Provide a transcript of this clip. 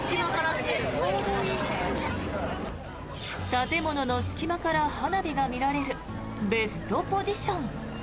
建物の隙間から花火が見られるベストポジション。